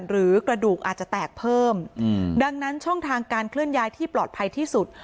หรือกระดูกอาจจะแตกเพิ่มดังนั้นช่องทางการเคลื่อนย้ายที่ปลอดภัยที่สุด